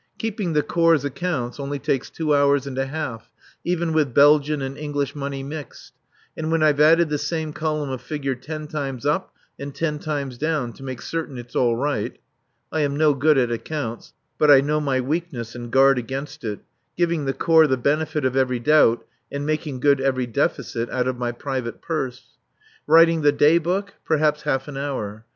Keeping the Corps' accounts only takes two hours and a half, even with Belgian and English money mixed, and when I've added the same column of figures ten times up and ten times down, to make certain it's all right (I am no good at accounts, but I know my weakness and guard against it, giving the Corps the benefit of every doubt and making good every deficit out of my private purse). Writing the Day Book perhaps half an hour.